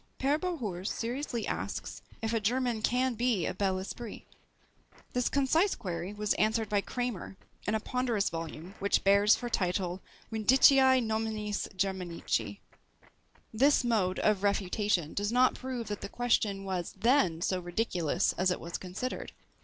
Pere Bohours seriously asks if a German can be a BEL ESPRIT? This concise query was answered by Kramer, in a ponderous volume which bears for title, Vindiciæ nominis Germanici. This mode of refutation does not prove that the question was then so ridiculous as it was considered.